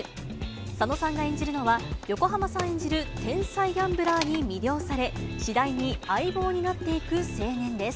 佐野さんが演じるのは、横浜さん演じる天才ギャンブラーに魅了され、次第に相棒になっていく青年です。